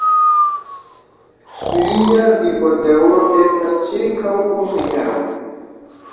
Ilia vivodaŭro estas ĉirkaŭ unu jaro.